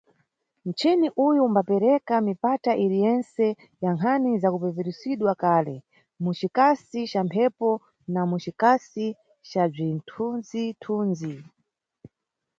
Mchini uyu umbapereka mipata iri yentse ya nkhani za kupeperusidwa kale, mu cikasi ca mphepo na mucikasi ca bzithunzi-thunzi.